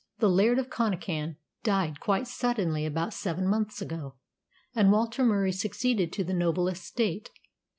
The Laird of Connachan died quite suddenly about seven months ago, and Walter Murie succeeded to the noble estate.